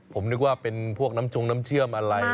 ผมนึกว่าเป็นพวกน้ำจงน้ำเชื่อมอะไร